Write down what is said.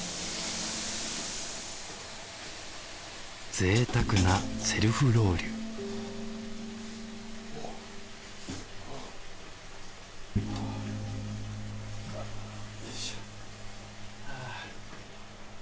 ぜいたくなセルフロウリュよいしょはぁ。